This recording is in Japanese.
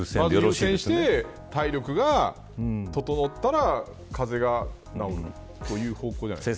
優先して体力が整ったら風邪が治るという方向じゃないですか。